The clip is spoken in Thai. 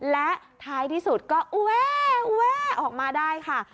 และท้ายที่สุดก็อุ๊ยอุ๊ยออกมาได้ค่ะ